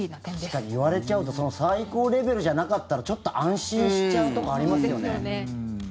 確かに、言われちゃうとその最高レベルじゃなかったらちょっと安心しちゃうところありますよね。